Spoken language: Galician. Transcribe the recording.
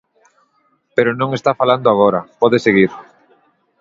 Pero non está falando agora, pode seguir.